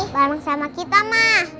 bareng sama kita ma